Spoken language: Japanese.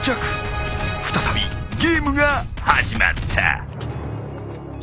再びゲームが始まった。